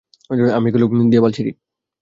আমি এগুলো দিয়ে বাল ছিঁড়ি।